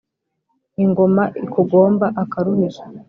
ingoma ikugomba akaruhije